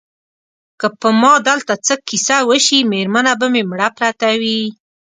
که په ما دلته څه کیسه وشي مېرمنه به مې مړه پرته وي.